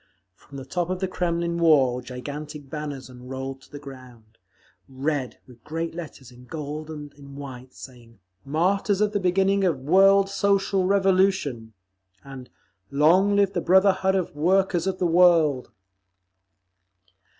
From the top of the Kremlin wall gigantic banners unrolled to the ground; red, with great letters in gold and in white, saying, "Martyrs of the Beginning of World Social Revolution," and "Long Live the Brotherhood of Workers of the World."